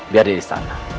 biar di istana